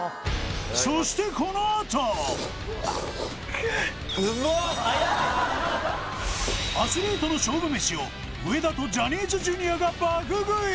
そしてこのあとアスリートの勝負メシを上田とジャニーズＪｒ．が爆食い！